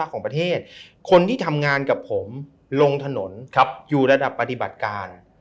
คนที่ทำงานกับผมลงถนนอยู่ระดับปฏิบัติการ